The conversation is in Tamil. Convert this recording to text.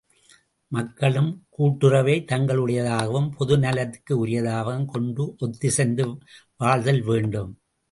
மக்களும் கூட்டுறவை தங்களுடையதாகவும் பொது நலத்திற்க்கு உரியதாகவும் கொண்டு ஒத்திசைந்து வாழ்தல் வேண்டும்.